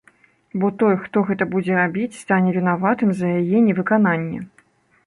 Бо той, хто гэта будзе рабіць, стане вінаватым за яе невыкананне.